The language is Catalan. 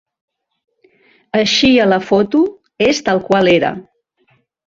Així, a la foto, és tal qual era.